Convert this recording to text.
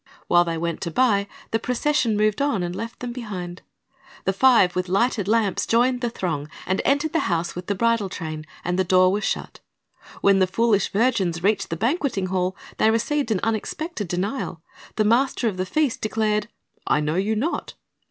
While they went to buy, the procession moved on, and left them behind. The five with lighted lamps joined the throng, and entered the house with the bridal train, and the door was shut. When the foolish virgins reached the banqueting hall, they received an unexpected denial. The master of the feast declared, "I know you not."